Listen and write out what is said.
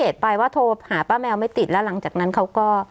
แล้วพอเจอป้าแมวที่บ้านหลังนั้นน่ะ